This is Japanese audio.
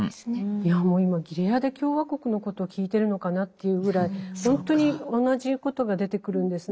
いやもう今ギレアデ共和国のことを聞いてるのかなというぐらいほんとに同じことが出てくるんですね。